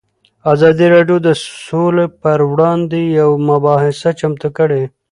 ازادي راډیو د سوله پر وړاندې یوه مباحثه چمتو کړې.